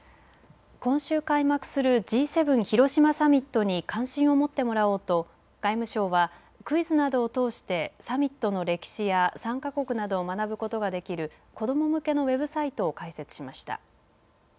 今週開幕するＧ７広島サミットに関心を持ってもらおうと外務省はクイズなどを通してサミットの歴史や参加国などを学ぶことができる子ども向けのウェブサイトを開設しました。